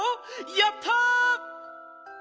やった！」。